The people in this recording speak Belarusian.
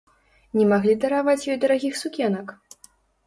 Не маглі дараваць ёй дарагіх сукенак?